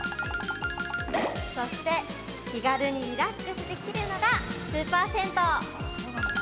そして気軽にリラックスできるのがスーパー銭湯。